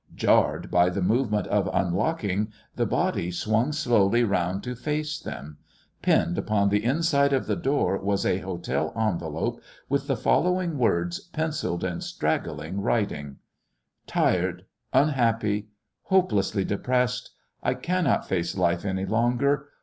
Jarred by the movement of unlocking, the body swung slowly round to face them.... Pinned upon the inside of the door was a hotel envelope with the following words pencilled in straggling writing: "Tired unhappy hopelessly depressed.... I cannot face life any longer....